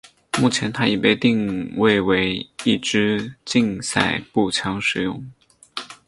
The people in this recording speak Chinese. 目前它已被定位为一枝竞赛步枪使用。